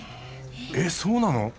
えっそうなの？